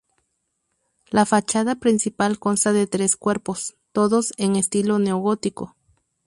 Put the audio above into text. La fachada principal consta de tres cuerpos, todos en estilo neogótico.